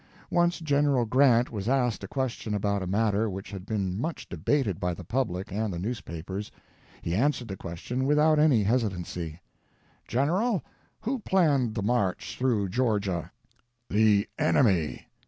Once General Grant was asked a question about a matter which had been much debated by the public and the newspapers; he answered the question without any hesitancy. "General, who planned the march through Georgia?" "The enemy!"